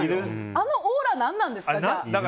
あのオーラ何なんですか？